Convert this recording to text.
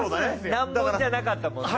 難問じゃなかったもんね。